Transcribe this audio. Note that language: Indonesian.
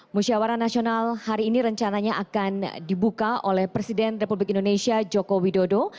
musyawara nasional hari ini rencananya akan dibuka oleh presiden republik indonesia joko widodo